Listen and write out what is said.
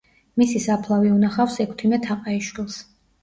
მისი საფლავი უნახავს ექვთიმე თაყაიშვილს.